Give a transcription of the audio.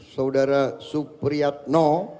saudara supriyat no